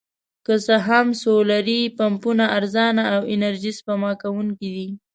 که څه هم سولري پمپونه ارزانه او انرژي سپما کوونکي دي.